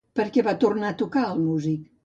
Per què va tornar a tocar el músic?